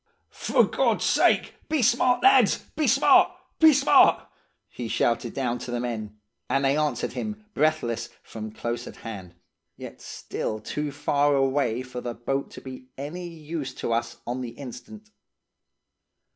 'For God's sake, be smart, lads! Be smart! Be smart!' he shouted down to the men, and they answered him, breathless, from close at hand, yet still too far away for the boat to be any use to us on the instant.